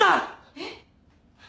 えっ？